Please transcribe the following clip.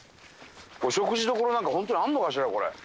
お食事処なんか本当にあるのかしら？